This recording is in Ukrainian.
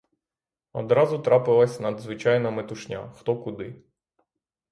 Одразу трапилась надзвичайна метушня: хто куди.